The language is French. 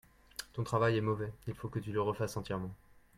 Ton travail est mauvais, il faut que tu le refasse entièrement.